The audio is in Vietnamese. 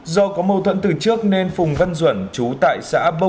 do có mâu thuẫn từ trước nên phùng văn duẩn chú tại xã bơ